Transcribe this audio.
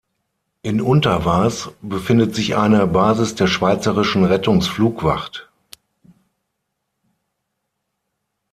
In Untervaz befindet sich eine Basis der Schweizerischen Rettungsflugwacht.